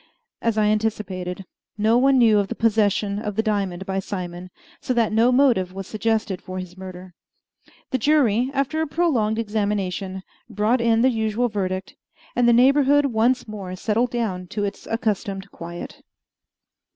As I anticipated, no one knew of the possession of the diamond by Simon, so that no motive was suggested for his murder. The jury, after a prolonged examination, brought in the usual verdict, and the neighborhood once more settled down to its accustomed quiet.